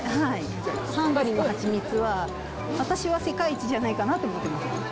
ハンガリーの蜂蜜は、私は世界一じゃないかなと思ってます。